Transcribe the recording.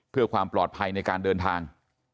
เพื่อความปลอดภัยในการเดินทาง